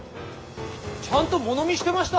ちゃんと物見してました！